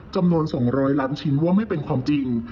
จำนวน๒๐๐ล้านชิ้นว่าไม่เป็นความจริง